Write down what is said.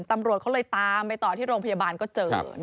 ตำรวจเขาเลยตามไปต่อที่โรงพยาบาลก็เจอ